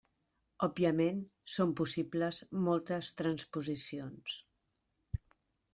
Òbviament, són possibles moltes transposicions.